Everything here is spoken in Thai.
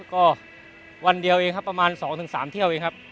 ก็วันเดียวเองครับประมาณ๒๓เที่ยวเองครับ